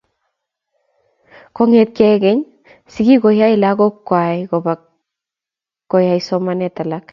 Kongeteke keny, sikik kokakae lakokwai koba koyai somanet alak